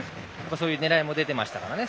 そういう狙いも出てましたからね。